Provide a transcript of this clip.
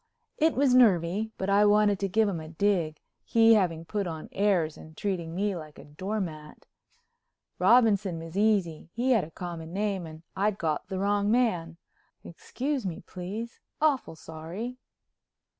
It was nervy but I wanted to give him a dig, he having put on airs and treated me like a doormat. Robinson was easy—he had a common name and I'd got the wrong man. Excuse me, please, awful sorry.